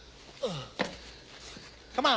ああ。